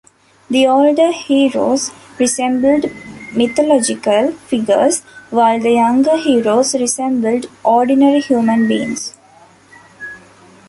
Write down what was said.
The 'older' heroes resembled mythological figures, while the 'younger' heroes resembled ordinary human beings.